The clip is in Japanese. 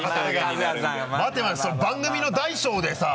待て待てそれ番組の大小でさ。